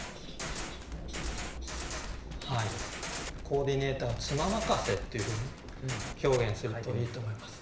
「コーディネーター」を「妻任せ」っていうふうに表現するといいと思います。